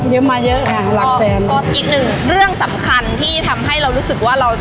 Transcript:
เยอะมาเยอะอ่าหลักแสนอีกหนึ่งเรื่องสำคัญที่ทำให้เรารู้สึกว่าเรา